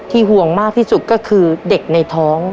ห่วงมากที่สุดก็คือเด็กในท้อง